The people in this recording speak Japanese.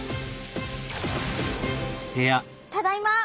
ただいま！